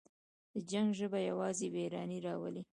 د جنګ ژبه یوازې ویرانی راوړي.